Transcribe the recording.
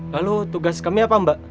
lalu tugas kami apa mbak